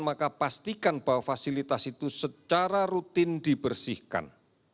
maka pastikan bahwa fasilitas itu secara rutin dibersihkan